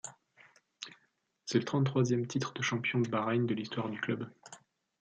C'est le trente-troisième titre de champion de Bahreïn de l'histoire du club.